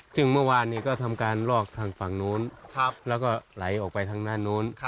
ซึ่งเมื่อวานนี้ก็ทำการลอกทางฝั่งนู้นแล้วก็ไหลออกไปทางด้านนู้น